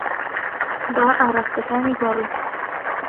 با ئاراستەکانی گۆڕی.